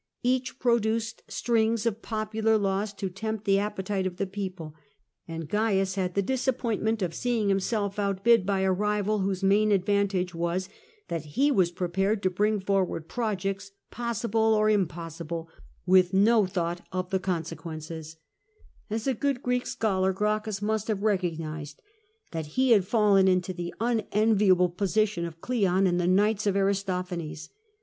Each produced strings of popular laws to tempt the appetite of the people, and Caius had the disappointment of seeing himself outbid by a rival whose main advantage was that he was prepared to bring forward projects, pos*^ sible or impossible, with no thought of the consequence! CAIUS LOSES THE TRIBUNATE 77 As a good Greek scholar, Gracchus must haye recognised that he had fallen into the unenviable position of Cleon in the KnighU of Aristophanes.